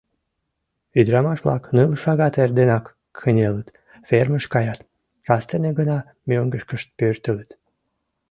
Ӱдырамаш-влак ныл шагат эрденак кынелыт, фермыш каят, кастене гына мӧҥгышкышт пӧртылыт.